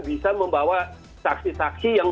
bisa membawa taksi taksi yang